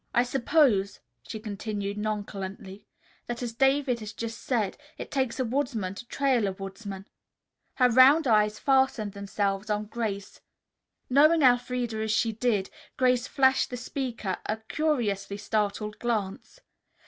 "I suppose," she continued nonchalantly, "that as David has just said, it takes a woodsman to trail a woodsman." Her round eyes fastened themselves on Grace. Knowing Elfreda as she did, Grace flashed the speaker a curiously startled glance.